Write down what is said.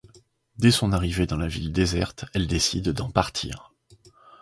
Dès son arrivée dans la ville déserte, elle décide d'en partir.